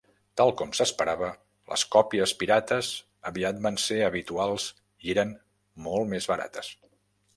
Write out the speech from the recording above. Tal com s'esperava, les còpies pirates aviat van ser habituals i eren molt més barates.